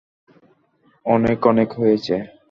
অনেক অনেক হয়েছে।